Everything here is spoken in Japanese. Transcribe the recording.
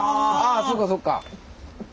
ああそっかそっか。